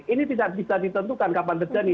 ini tidak bisa ditentukan kapan terjadi